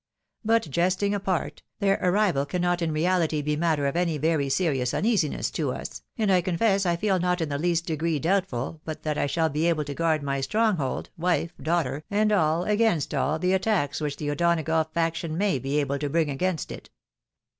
But jesting apart, their arrival cannot in reality be matter of any very serious uneasiness to us, and I confess I feel not in the least degree doubtful but that I shall be able to guard my stronghold, wife, daughter, and all, against aU the attacks which the O'Donagough faction may be able to bring against it."